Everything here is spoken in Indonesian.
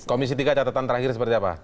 komisi tiga catatan terakhir seperti apa